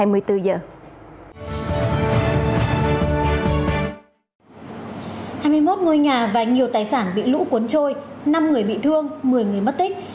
hai mươi một ngôi nhà và nhiều tài sản bị lũ cuốn trôi năm người bị thương một mươi người mất tích